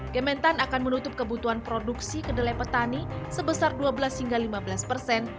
kementan akan menutup kebutuhan produksi kedelai petani sebesar dua belas hingga lima belas persen